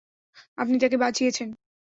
আপনি তাকে বাঁচিয়েছন।